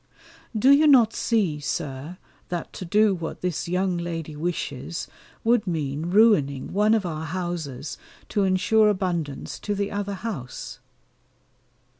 Do you not see, Sir, that to do what this young lady wishes would mean ruining one of our houses to ensure abundance to the other house.